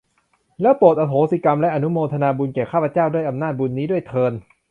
แล้วโปรดอโหสิกรรม และอนุโมทนาบุญแก่ข้าพเจ้าด้วยอำนาจบุญนี้ด้วยเทอญ